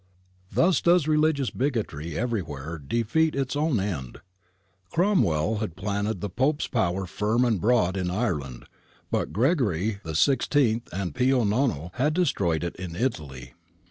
Thus does religious bigotry everywhere defeat its own end : Cromwell had planted the Pope's power firm and broad in Ireland, but Gregory XVI and Pio Nono had destroyed it in Italy.